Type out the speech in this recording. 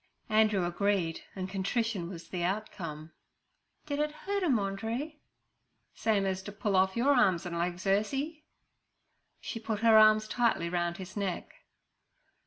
Andrew agreed, and contrition was the outcome. 'Did it hurt 'em, Andree?' 'Same as t' pull off your arms and legs, Ursie.' She put her arms tightly round his neck.